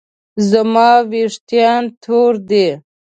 زما ویښتان تور دي